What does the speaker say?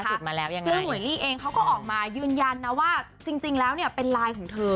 ซึ่งหมวยลีเองเขาก็ออกมายืนยันนะว่าจริงแล้วเนี่ยเป็นไลน์ของเธอ